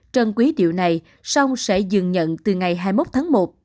trân quý điều này song sẽ dừng nhận từ ngày hai mươi một tháng một